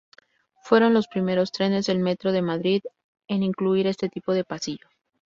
Fueron los primeros trenes del Metro de Madrid en incluir este tipo de pasillo.